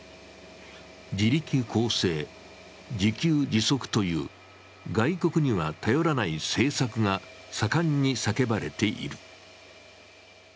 「自力更生」「自給自足」という外国には頼らない政策が盛んに叫ばれている。